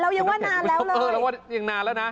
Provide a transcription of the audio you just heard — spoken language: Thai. เรายังว่านานแล้วเลยเออเรายังว่านานแล้วนะ